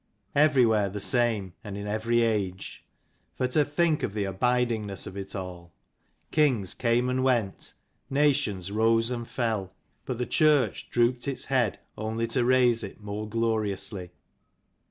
Everywhere the same, and in every age. For to think of the abidingness of it all ! Kings came and went, nations rose and fell, but the church drooped its head only to raise it more gloriously.